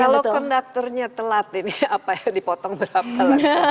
kalau konduktornya telat ini apa ya dipotong berapa lagi